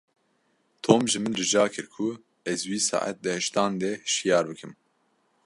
Tom ji min rica kir ku ez wî saet di heştan de hişyar bikim.